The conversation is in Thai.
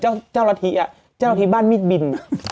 อย่างเจ้าลัทธิไปเจ้าลัทธิบ้านมีบิน